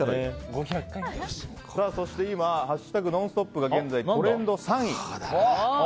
そして「＃ノンストップ」が現在トレンド３位。